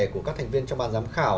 của các thành viên trong ban giám khảo